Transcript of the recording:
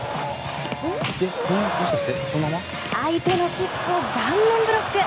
相手のキックを顔面ブロック。